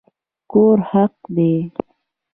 کور حق دی